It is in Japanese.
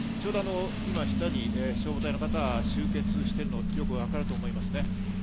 今、下に消防隊の方が集結しているのがわかると思います。